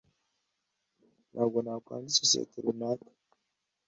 Ntabwo nakwanga isosiyete runaka.